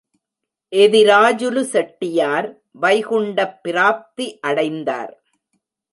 எதிராஜுலு செட்டியார் வைகுண்டப் பிராப்தி அடைந்தார்.